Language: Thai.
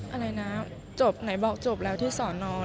อะไรนะบอกจบแล้วที่สอนร